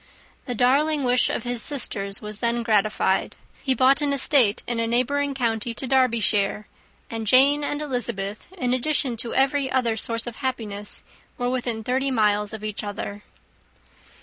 The darling wish of his sisters was then gratified: he bought an estate in a neighbouring county to Derbyshire; and Jane and Elizabeth, in addition to every other source of happiness, were within thirty miles of each other.